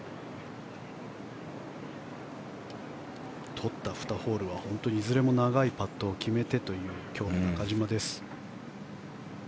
とった２ホールはいずれも長いパットを決めてという今日の中島です。